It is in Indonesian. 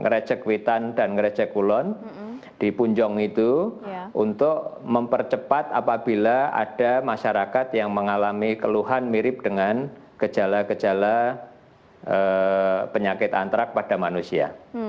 ngecek witan dan ngecek ulon di punjong itu untuk mempercepat apabila ada masyarakat yang mengalami keluhan mirip dengan kejala kejala penyakit antrak pada manusia